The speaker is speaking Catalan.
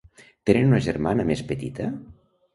Tenen una germana més petita?